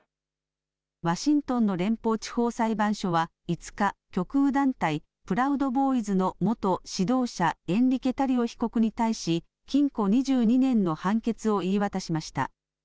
ワシントンの連邦地方裁判所は５日、極右団体、プラウド・ボーイズの元指導者、エンリケ・タリオ被告に対し禁錮２２年の判決を言い渡しました。